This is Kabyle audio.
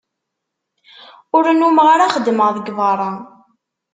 Ur nnumeɣ ara xeddmeɣ deg berra.